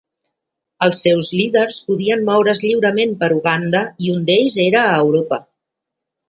Els seus líders podien moure's lliurement per Uganda i un d'ells era a Europa.